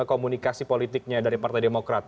untuk membangun komunikasi politiknya dari partai demokrat